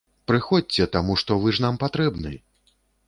Прыходзьце, таму што вы ж нам патрэбны!